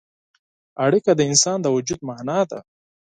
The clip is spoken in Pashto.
اړیکه د انسان د وجود معنا ده.